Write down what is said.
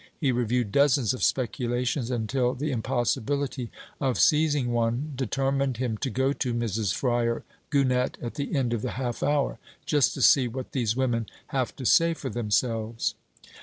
He reviewed dozens of speculations until the impossibility of seizing one determined him to go to Mrs. Fryar Gunnett at the end of the half hour 'Just to see what these women have to say for themselves.'